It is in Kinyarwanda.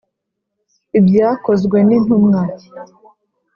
Ibyakozwe n Intumwa